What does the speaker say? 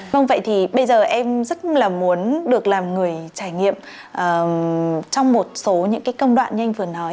vâng vậy thì bây giờ em rất là muốn được làm người trải nghiệm trong một số những cái công đoạn như anh vừa nói